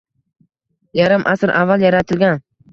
Yarim asr avval yaratilgan